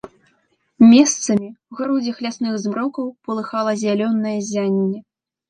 Месцамі ў грудзях лясных змрокаў палыхала зялёнае ззянне.